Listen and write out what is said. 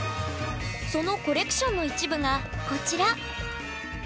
そのコレクションの一部がこちら。